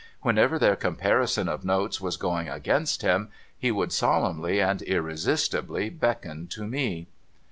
Whenever their comparison of notes was going against him, he would solemnly and irresistibly beckon to me.